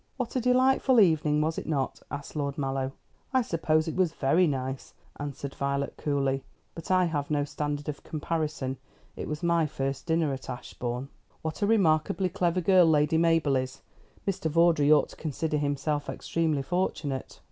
"What a delightful evening, was it not?" asked Lord Mallow. "I suppose it was very nice," answered Violet coolly; "but I have no standard of comparison. It was my first dinner at Ashbourne." "What a remarkably clever girl Lady Mabel is. Mr. Vawdrey ought to consider himself extremely fortunate."